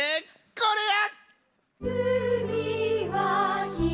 これや！